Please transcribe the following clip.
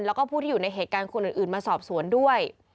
แล้วก็ผู้ที่อยู่ในเหตุการณ์คนอื่นมาสอบสวนด้วย